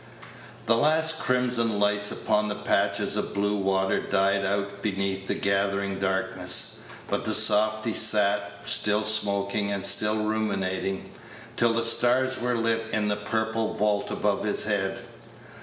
The last crimson lights upon the patches of blue water died out beneath the gathering darkness; but the softy sat, still smoking, and still ruminating, till the stars were light in the purple vault above his head.